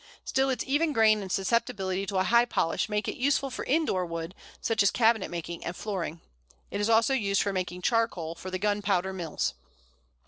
Still, its even grain and susceptibility to a high polish make it useful for indoor wood, such as cabinet making and flooring. It is also used for making charcoal for the gunpowder mills.